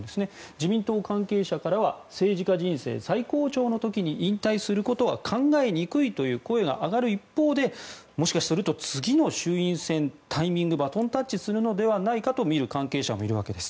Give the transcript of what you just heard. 自民党関係者からは政治家人生最高潮の時に引退することは考えにくいという声が上がる一方でもしかすると次の衆院選のタイミングでバトンタッチするのではないかと見る関係者もいるわけです。